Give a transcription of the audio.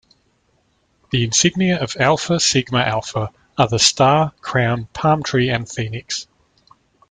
The insignia of Alpha Sigma Alpha are the star, crown, palm tree and phoenix.